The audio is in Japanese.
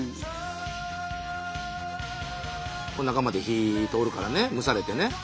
中まで火通るからね蒸されてね。